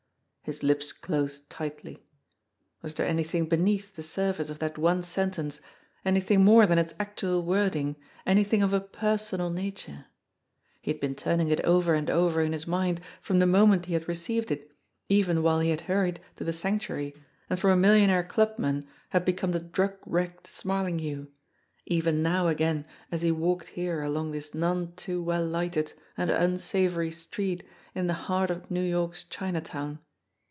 His lips closed tightly. Was there anything beneath the surface of that one sentence, anything more than its actual wording, anything of a personal nature? He had been turning it over and over in his mind from the moment he had received it, even while he had hurried to the Sanctuary and from a millionaire clubman had become the drug wrecked Smarlinghue, even now again as he walked here along this none too well lighted and unsavory street in the heart of New York's Chinatown.